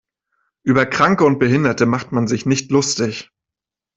Über Kranke und Behinderte macht man sich nicht lustig.